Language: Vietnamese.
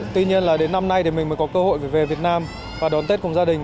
tuy nhiên là đến năm nay thì mình mới có cơ hội về việt nam và đón tết cùng gia đình